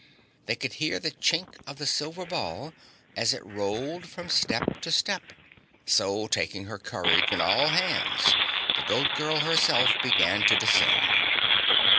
They could hear the chink of the silver ball as it rolled from step to step, so, taking her courage in all hands, the Goat Girl, herself, began to descend.